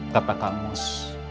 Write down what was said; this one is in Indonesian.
kata kang mus